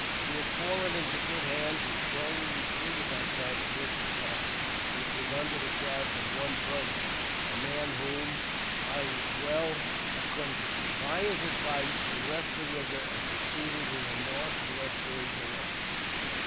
We had fallen into good hands, and slowly recruited ourselves with the party, which was under the charge of one Provo, a man with whom I was well acquainted. By his advice, we left the river and proceeded in a north westerly direction.